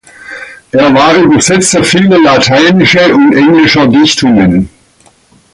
Er war Übersetzer vieler lateinische und englischer Dichtungen.